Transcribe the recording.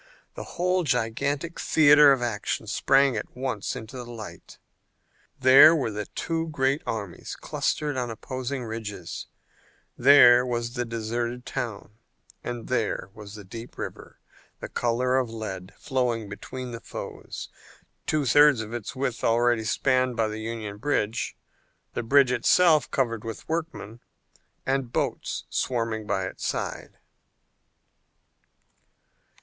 The whole gigantic theater of action sprang at once into the light. There were the two great armies clustered on opposing ridges, there was the deserted town, there was the deep river, the color of lead, flowing between the foes, two thirds of its width already spanned by the Union bridge, the bridge itself covered with workmen, and boats swarming by its side.